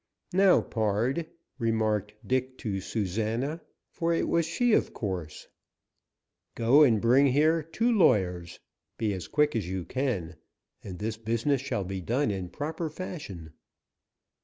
"Now, pard," remarked Dick to Susana, for it was she, of course. "Go and bring here two lawyers. Be as quick as you can, and this business shall be done in proper fashion."